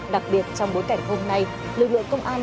đặc biệt trong bối cảnh hôm nay lực lượng công an